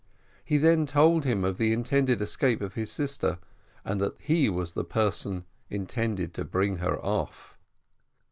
He then told him of the intended escape of his sister, and that he was the person intended to bring her off.